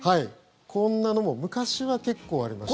こんなのも昔は結構ありました。